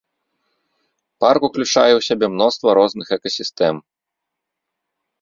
Парк ўключае ў сябе мноства розных экасістэм.